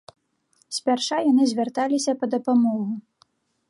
Спярша яны звярталіся па дапамогу.